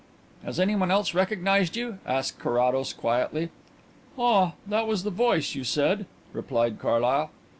"Has anyone else recognized you?" asked Carrados quietly. "Ah, that was the voice, you said," replied Carlyle.